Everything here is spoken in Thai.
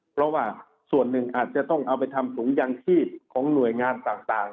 เพราะว่าส่วนหนึ่งอาจจะต้องเอาไปทำถุงยางชีพของหน่วยงานต่าง